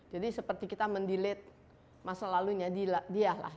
jadi seperti kita mendelet masa lalunya dia lah